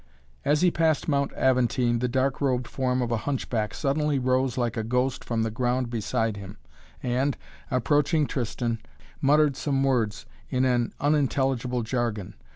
As he passed Mount Aventine the dark robed form of a hunchback suddenly rose like a ghost from the ground beside him and, approaching Tristan, muttered some words in an unintelligible jargon.